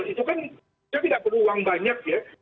itu kan kita tidak perlu uang banyak ya